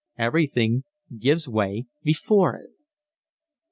Everything gives way before it.